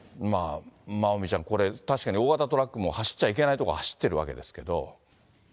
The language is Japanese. まあ、まおみちゃん、確かに大型トラックも走っちゃいけない所走ってるわけですけど。